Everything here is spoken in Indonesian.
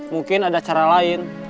mungkin ada cara lain